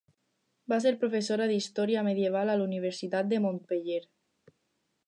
Va ser professora d'història medieval a la Universitat de Montpeller.